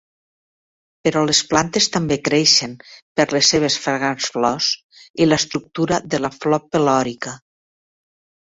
Però les plantes també creixen per a les seves fragants flors i l'estructura de la flor pelòrica.